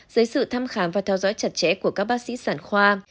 dưới sự thăm khám và theo dõi chặt chẽ của các bác sĩ sản khoa